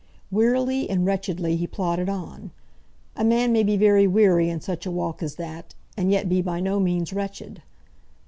Wearily and wretchedly he plodded on. A man may be very weary in such a walk as that, and yet be by no means wretched.